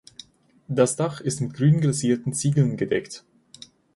Das Dach ist mit grün glasierten Ziegeln gedeckt.